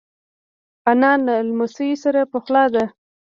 انا له لمسیو سره پخلا ده